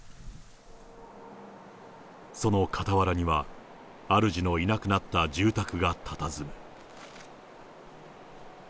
その傍らには、主のいなくなった住宅がたたずむ。